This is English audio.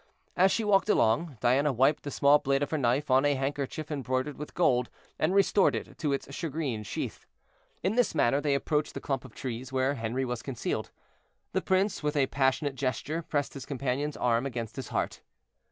As she walked along, Diana wiped the small blade of her knife on a handkerchief embroidered with gold, and restored it to its shagreen sheath. In this manner they approached the clump of trees where Henri was concealed. The prince, with a passionate gesture, pressed his companion's arm against his heart.